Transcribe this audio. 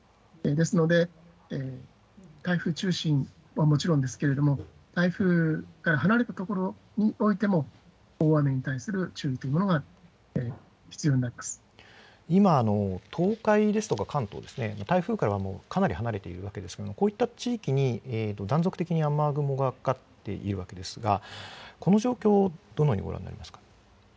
ですので、台風中心はもちろんですけれども、台風から離れた所においても大雨に対する注意というものが必要に今、東海ですとか関東ですね、台風からはかなり離れているわけですが、こういった地域に断続的に雨雲がかかっているわけですが、この状況をどのようにご覧になりますか。